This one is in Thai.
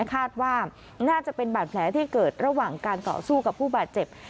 คาดว่าน่าจะเป็นบาดแผลที่เกิดระหว่างการต่อสู้กับผู้บาดเจ็บ